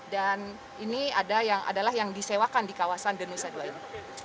dan ini adalah yang disewakan di kawasan denusa dua ini